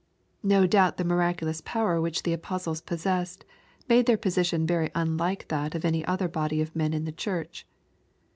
No doubt the miraculous power which the apostles possessed, made their position very unlike that of any other body of men in the Church.